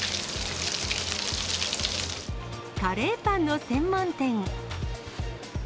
カレーパンの専門店。